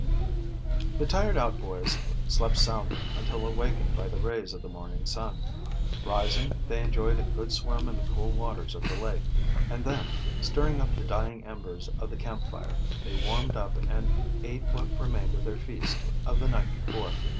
THE tired out boys slept soundly until awakened by the rays of the morning sun. Rising, they enjoyed a good swim in the cool waters of the lake, and then, stirring up the dying embers of the campfire, they warmed up and ate what remained of their feast of the night before.